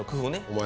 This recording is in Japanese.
お前